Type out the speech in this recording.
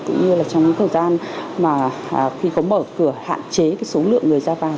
cũng như là trong cái thời gian mà khi có mở cửa hạn chế cái số lượng người ra vào